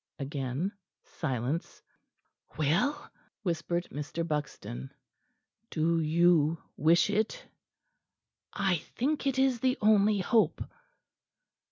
Again silence. "Well?" whispered Mr. Buxton. "Do you wish it?" "I think it is the only hope."